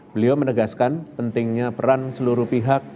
beliau menegaskan pentingnya peran seluruh pihak